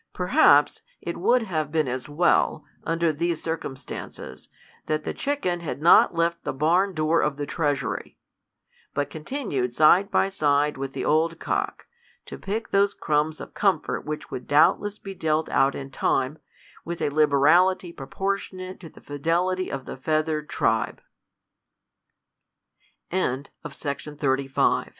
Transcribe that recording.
Perhaps it would have been as welj, under these circumstances, that the chick en had not left the barn door of the treasury ; but continued side by side with the old cock, to pick those crumbs of comfort which would doubtless be dealt out m time, with a liberality proportionate to the fidelity